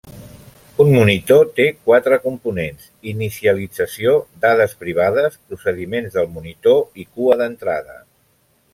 Un monitor té quatre components: inicialització, dades privades, procediments del monitor i cua d'entrada.